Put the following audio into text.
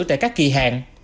của các kỳ hạn